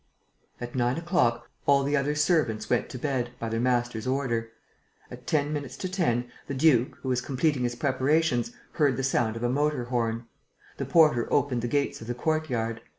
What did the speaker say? At nine o'clock, all the other servants went to bed, by their master's order. At ten minutes to ten, the duke, who was completing his preparations, heard the sound of a motor horn. The porter opened the gates of the courtyard.